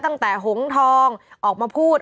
ตั้งแต่หงษ์ทองออกมาพูด